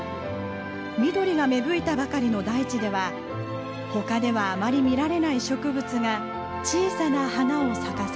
緑が芽吹いたばかりの台地では他ではあまり見られない植物が小さな花を咲かせます。